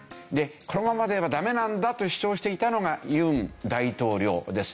このままではダメなんだと主張していたのが尹大統領です。